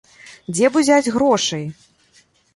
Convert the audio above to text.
Дзе б узяць грошай?